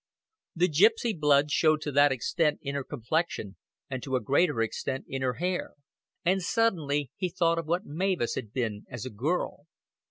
The gipsy blood showed to that extent in her complexion, and to a greater extent in her hair. And suddenly he thought of what Mavis had been as a girl.